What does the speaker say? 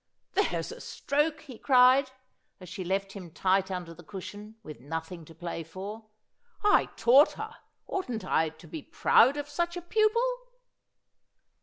' There's a stroke !' he cried, as she left him tight under the cushion, with nothing to play for. ' I taught her. Oughtn't I to be proud of such a pupil